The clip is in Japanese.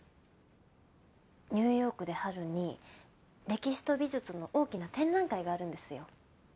ニューヨークで春に歴史と美術の大きな展覧会があるんですよ。